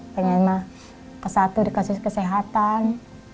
pengen mah ke satu dikasih kesehatan